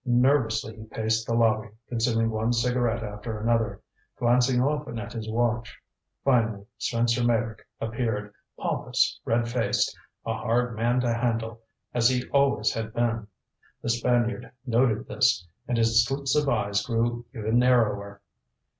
Nervously he paced the lobby, consuming one cigarette after another, glancing often at his watch. Finally Spencer Meyrick appeared, pompous, red faced, a hard man to handle, as he always had been. The Spaniard noted this, and his slits of eyes grew even narrower.